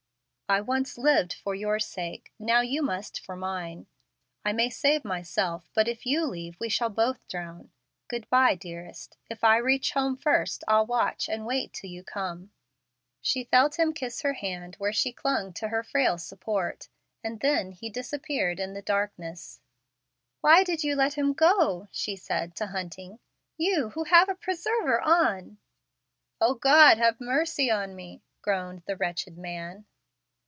"I once lived for your sake; now you must for mine. I may save myself; but if you leave we shall both drown. Good by, dearest. If I reach home first, I'll watch and wait till you come." She felt him kiss her hand where she clung to her frail support, and then he disappeared in the darkness. "Why did you let him go?" she said to Hunting "you who have a preserver on?" "O God, have mercy on me!" groaned the wretched man.